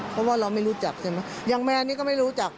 เพราะว่าเราไม่รู้จักใช่ไหมอย่างแมนนี่ก็ไม่รู้จัก